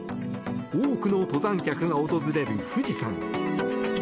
多くの登山客が訪れる富士山。